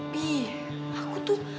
pi aku tuh